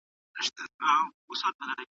د خپل بدن خبرې واوره.